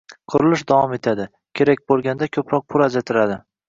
Qurilish davom etadi, kerak bo'lganda ko'proq pul ajratiladi